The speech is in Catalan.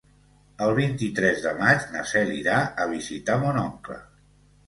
El vint-i-tres de maig na Cel irà a visitar mon oncle.